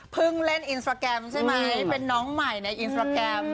เล่นอินสตราแกรมใช่ไหมเป็นน้องใหม่ในอินสตราแกรม